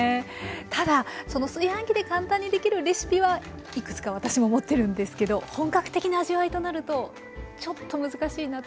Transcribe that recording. ただ炊飯器で簡単に出来るレシピはいくつか私も持ってるんですけど本格的な味わいとなるとちょっと難しいなっていうイメージあります。